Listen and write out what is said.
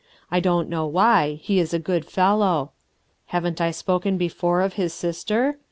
I don't know why, he is a good fellow. Haven't I spoken before of his sister?